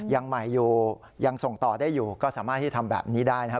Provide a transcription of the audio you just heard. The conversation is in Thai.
ยังใหม่อยู่ยังส่งต่อได้อยู่ก็สามารถที่ทำแบบนี้ได้นะครับ